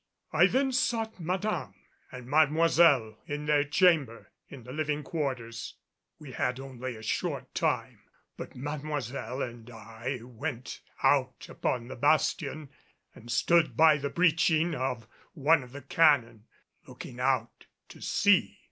I then sought Madame and Mademoiselle in their chamber in the living quarters. We had only a short time, but Mademoiselle and I went out upon the bastion and stood by the breeching of one of the cannon, looking out to sea.